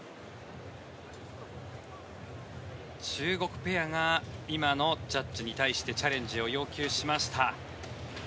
中国ペアが今のジャッジに対してチャレンジを要求しました。